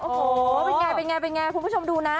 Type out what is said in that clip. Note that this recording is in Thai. โอ้โหเป็นไงคุณผู้ชมดูนะ